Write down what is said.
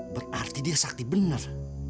berarti dia sakti benar